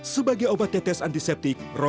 sebagai obat tetes antiseptik